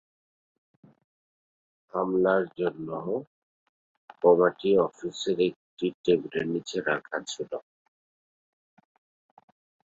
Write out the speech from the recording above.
হামলার জন্য বোমাটি অফিসের একটি টেবিলের নিচে রাখা ছিল।